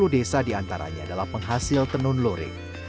sepuluh desa di antaranya adalah penghasil tenun lurik